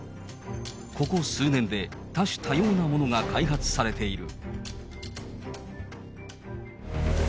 ここ数年で多種多様なものが開発されている。